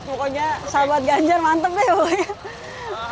pokoknya sahabat ganjar mantep deh pokoknya